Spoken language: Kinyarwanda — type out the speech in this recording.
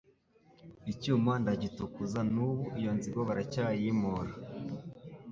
Icyuma ndagitukuza n'ubu iyo nzigo baracyayimpora